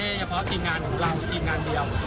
ไม่ใช่เหรอว่าตีงงานเราตีงงานเดียว